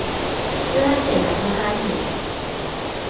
Fe wnaeth e gadarnhau hynny.